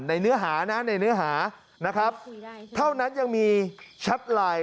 เนื้อหานะในเนื้อหานะครับเท่านั้นยังมีแชทไลน์